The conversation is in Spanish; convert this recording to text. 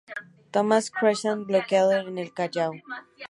Thomas Cochrane bloqueaba el Callao.